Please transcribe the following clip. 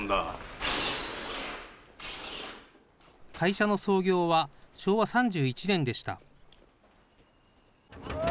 会社の創業は昭和３１年でした。